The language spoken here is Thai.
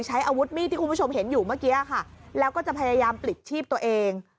ใช้อาวุธมีดที่คุณผู้ชมเห็นอยู่เมื่อกี้ค่ะแล้วก็จะพยายามปลิดชีพตัวเอง